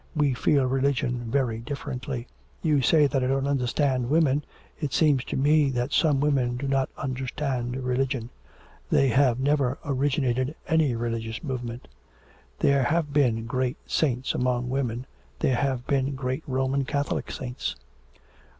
We feel religion very differently. You say that I don't understand women, it seems to me that some women do not understand religion.... They have never originated any religious movement.' 'There have been great saints among women; there have been great Roman Catholic saints.'